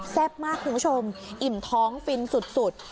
มากคุณผู้ชมอิ่มท้องฟินสุด